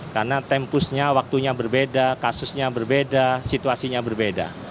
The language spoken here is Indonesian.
karena tempusnya waktunya berbeda kasusnya berbeda situasinya berbeda